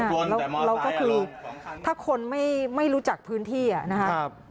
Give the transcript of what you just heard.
แล้วเราก็คือถ้าคนไม่รู้จักพื้นที่นะครับ